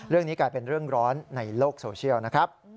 เรื่องนี้กลายเป็นเรื่องร้อนในโลกโซเชียลนะครับ